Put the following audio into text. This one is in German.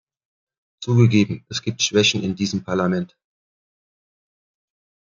Zugegeben, es gibt Schwächen in diesem Parlament.